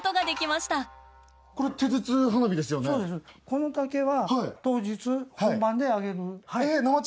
この竹は、当日本番で揚げる竹。